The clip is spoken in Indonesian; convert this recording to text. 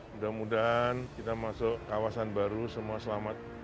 mudah mudahan kita masuk kawasan baru semua selamat